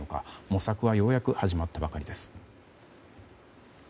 模索はようやく始まったばかりです。